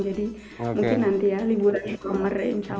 jadi mungkin nanti ya libur di kamar